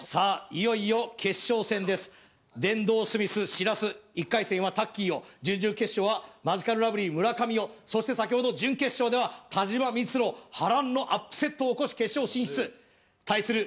いよいよ決勝戦です電動スミスしらす１回戦はタッキィを準々決勝はマヂカルラブリー村上をそして先ほど準決勝では但馬ミツロ波乱のアップセットを起こし決勝進出対する